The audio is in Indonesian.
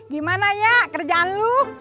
gimana ya kerjaan lu